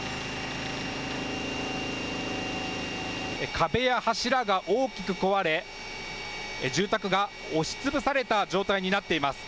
壁や柱が大きく壊れ住宅が押しつぶされた状態になっています。